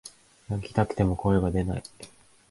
泣きたくても声が出ない